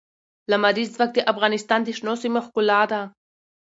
لمریز ځواک د افغانستان د شنو سیمو ښکلا ده.